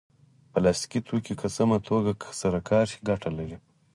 پلاستيکي توکي که سمه توګه سره کار شي ګټه لري.